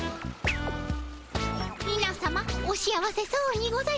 みなさまお幸せそうにございますね。